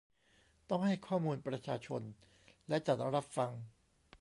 ต้องให้ข้อมูลประชาชนและจัดรับฟัง